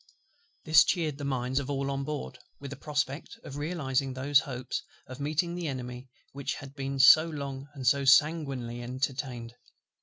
This cheered the minds of all on board, with the prospect of realizing those hopes of meeting the Enemy which had been so long and so sanguinely entertained.